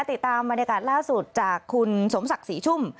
ติดตามบรรยากาศล่าสุดจากคุณสมศักดิ์ศรีชุ่ม